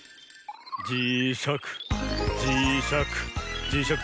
じしゃくじしゃくじしゃく